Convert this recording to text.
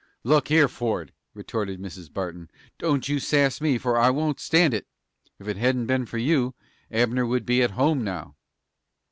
"Look here, Ford," retorted Mrs. Barton; "don't you sass me, for I won't stand it. Ef it hadn't been for you, Abner would be at home now."